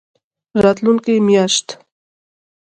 راتلونکې میاشت